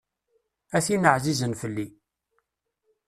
A tin εzizen fell-i.